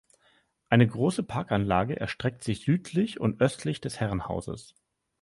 Eine große Parkanlage erstreckt sich südlich und östlich des Herrenhauses.